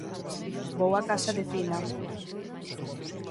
_Vou á casa de Fina...